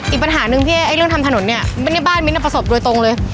อีกปัญหาหนึ่งพี่เอ๊เรื่องทำถนนเนี่ยบ้านมิ้นประสบโดยตรงเลย